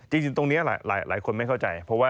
จริงตรงนี้หลายคนไม่เข้าใจ